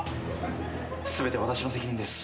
全て私の責任です。